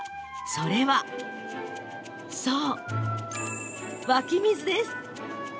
それは、湧き水です。